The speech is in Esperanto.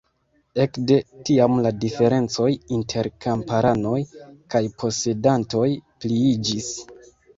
Ekde tiam la diferencoj inter kamparanoj kaj posedantoj pliiĝis.